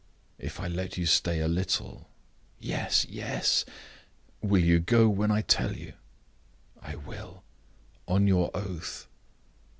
"If I let you stay a little ?" "Yes! yes!" "Will you go when I tell you?" "I will." "On your oath?"